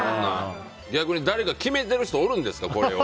逆に誰か決めている人おるんですか？